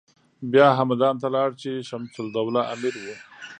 بیا همدان ته لاړ چې شمس الدوله امیر و.